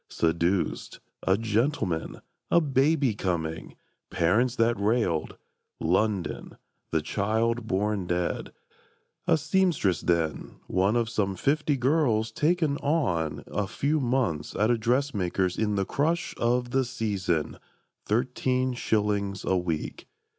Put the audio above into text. Seduced; a gentleman; a baby coming; Parents that railed; London; the child born dead; A seamstress then, one of some fifty girls "Taken on" a few months at a dressmaker's In the crush of the "season;" thirteen shillings a week!